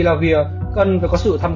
và ít nhất ba tháng